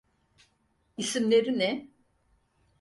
İsimleri ne?